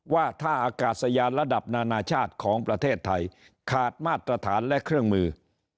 ว่าถ้าอากาศยานระดับนานาชาติของประเทศไทยขาดมาตรฐานและเครื่องมือ